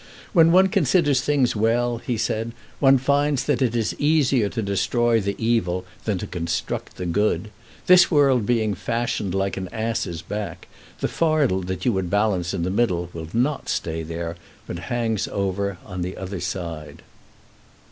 'When one considers things well,' he said, 'one finds that it is easier to destroy the evil than to construct the good. This world being fashioned like an ass's back, the fardel that you would balance in the middle will not stay there, but hangs over on the other side.'"